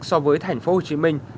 so với thành phố hồ chí minh